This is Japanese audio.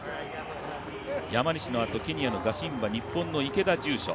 山西の後、ケニアのガシンバ日本の池田、住所。